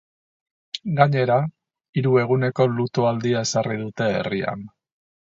Gainera, hiru eguneko luto-aldia ezarri dute herrian.